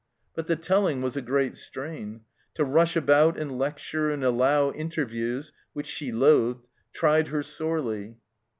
But the telling was a great strain ; to rush about and lecture and allow inter views, which she loathed, tried her sorely.